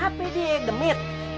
apa dia gemet